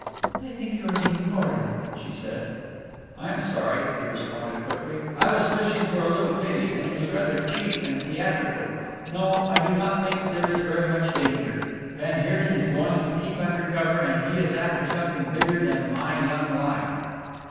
"I think you are being horrid," she said. "I am sorry," he responded quickly, "I was fishing for a little pity, and it was rather cheap and theatrical. No, I do not think there is very much danger. Van Heerden is going to keep under cover, and he is after something bigger than my young life."